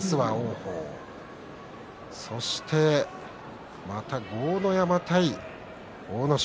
そして、また豪ノ山対阿武咲。